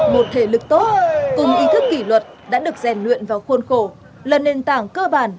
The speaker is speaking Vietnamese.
một thể lực tốt cùng ý thức kỷ luật đã được rèn luyện vào khuôn khổ là nền tảng cơ bản